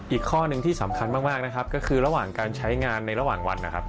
อีกข้อหนึ่งที่สำคัญมากนะครับก็คือระหว่างการใช้งานในระหว่างวันนะครับ